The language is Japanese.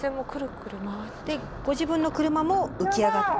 ご自分の車も浮き上がって。